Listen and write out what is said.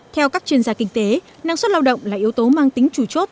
theo các chuyên gia kinh tế năng suất lao động là yếu tố mang tính chủ chốt